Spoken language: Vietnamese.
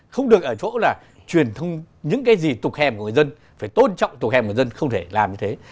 không được ở chỗ là truyền thông những cái gì tục hèm của người dân phải tôn trọng tục hèm của người dân không thể làm như thế